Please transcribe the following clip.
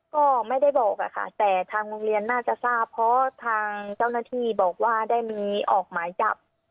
ก็ไม่ได้บอกค่ะแต่ทางโรงเรียนน่าจะทราบเพราะทางเจ้าหน้าที่บอกว่าได้มีออกหมายจับ